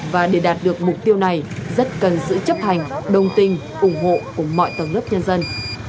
và để đạt được mục tiêu này rất cần sự chấp hành đồng tình ủng hộ của mọi tầng lớp nhân dân